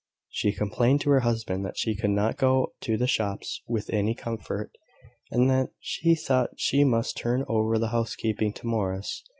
She complained to her husband that she could not go to the shops with any comfort, and that she thought she must turn over the housekeeping to Morris.